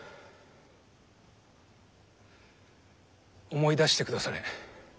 思い出してくだされ。